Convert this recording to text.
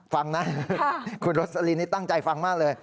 ฟังนะคุณโรสลินนี่ตั้งใจฟังมากเลย